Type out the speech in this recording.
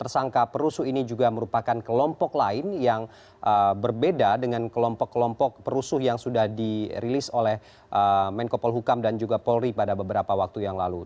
tersangka perusuh ini juga merupakan kelompok lain yang berbeda dengan kelompok kelompok perusuh yang sudah dirilis oleh menko polhukam dan juga polri pada beberapa waktu yang lalu